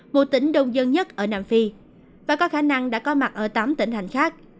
một tỉnh đông dân nhất ở nam phi và có khả năng đã có mặt ở tám tỉnh hành khác